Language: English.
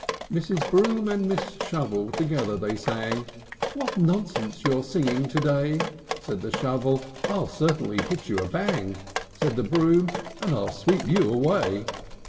IV. Mrs. Broom and Miss Shovel together they sang, "What nonsense you're singing to day!" Said the Shovel, "I'll certainly hit you a bang!" Said the Broom, "And I'll sweep you away!"